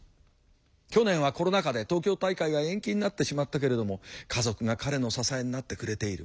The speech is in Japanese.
去年はコロナ禍で東京大会が延期になってしまったけれども家族が彼の支えになってくれている。